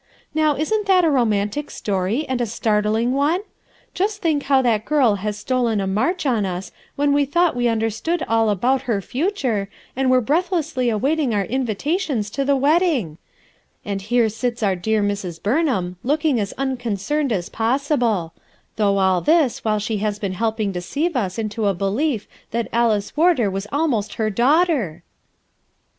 Now, isn't that a romantic story, and a startling one/ Just think how that girl has stolen a march on us when we thought we understood all about her future, and were breathlessly await ing our invitations to the wedding I And here sits our dear Mrs. Burnham, looking as un concerned as possible; though all this while she has been helping deceive us into the belief that Alice Warder was almost her daughter!"